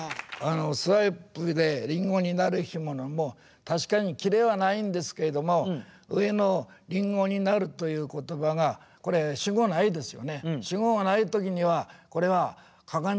「スワイプでりんごになる日も」も確かにキレはないんですけれども上の「りんごになる」という言葉がなるほど。